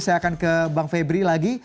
saya akan ke bang febri lagi